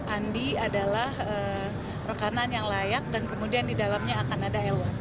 andi adalah rekanan yang layak dan kemudian di dalamnya akan ada elwan